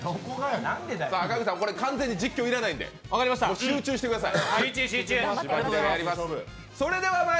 赤荻さん、完全にこれは実況要らないので、集中してください。